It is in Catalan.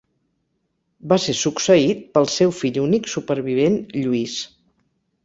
Va ser succeït pel seu fill únic supervivent Lluís.